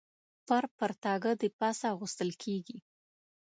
پر پرتاګه د پاسه اغوستل کېږي.